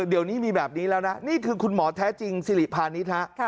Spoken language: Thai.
เดี๋ยวนี้มีแบบนี้แล้วนะนี่คือคุณหมอแท้จริงสิริพาณิชย์ฮะ